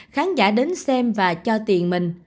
khán giả đến xem và cho tiền mình